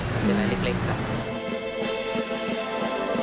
เป็นนายเล็กครับ